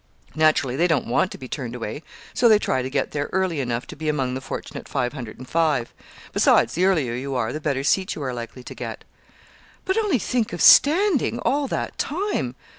Naturally they don't want to be turned away, so they try to get there early enough to be among the fortunate five hundred and five. Besides, the earlier you are, the better seat you are likely to get." "But only think of standing all that time!"